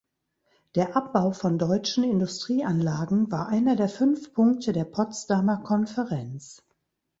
Der Abbau von deutschen Industrieanlagen war einer der fünf Punkte der Potsdamer Konferenz.